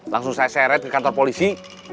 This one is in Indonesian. langsung saya seret ke kantor polisi